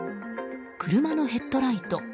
車のヘッドライト。